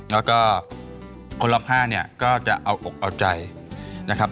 แล้วก็คนรอบ๕เนี่ยก็จะเอาอกเอาใจนะครับ